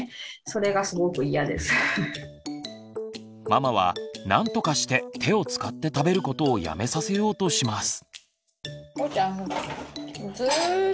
ママはなんとかして手を使って食べることをやめさせようとします。